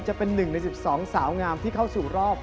จะเป็นหนึ่งในสิบสองสาวงามที่เข้าสู่รอบ